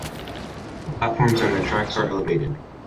The platforms and the tracks are elevated.